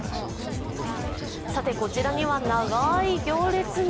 さてこちらには長い行列が。